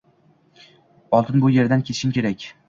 Oldin bu yerdan ketishim kerak.